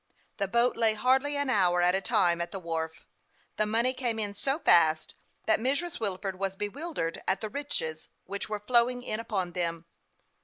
The boat lay hardly an hour at a time at the wharf. The money came in so fast that Mrs. Wilford was bewil dered at the riches which were flowing in upon them.